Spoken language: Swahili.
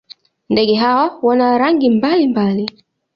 Ndege hawa wana rangi mbalimbali.